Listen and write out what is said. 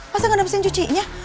masa nggak ada mesin cucinya